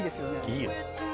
いいよ。